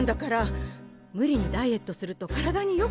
無理にダイエットすると体によくないよ。